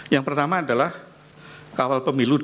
yang pertama adalah kawal pemilu dua ribu dua puluh